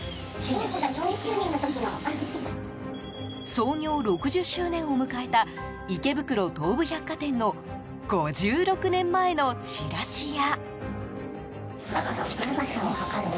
創業６０周年を迎えた池袋東武百貨店の５６年前のチラシや。